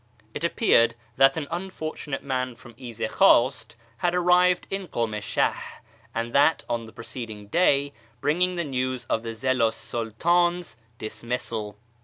It appeared that an unfortunate man from Izidkhwast had arrived in Kumishah on that or the preceding day, bringing the news of the Zillu 's Sidtdns dismissal.